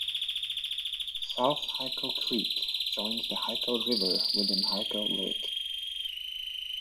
South Hyco Creek joins the Hyco River within Hyco Lake.